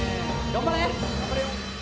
頑張れよ！